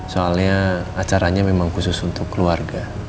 soalnya acaranya memang khusus untuk keluarga